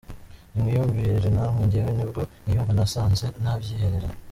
Nimwiyumvire namwe jyewe nibwo nkiyumva nasanze ntabyihererana.